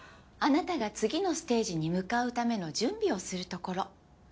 あなたが次のステージに向かうための準備をするところ。